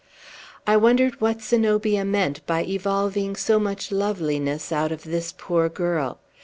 I wondered what Zenobia meant by evolving so much loveliness out of this poor girl.